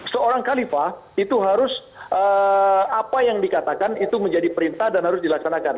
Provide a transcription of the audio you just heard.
seorang khalifah itu harus apa yang dikatakan itu menjadi perintah dan harus dilaksanakan